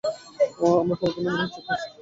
আমরা পুঙ্খানুপুঙ্খভাবে চেক করেছি।